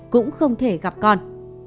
cũng không thể gặp con